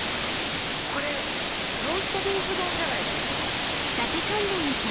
これローストビーフ丼じゃないですか？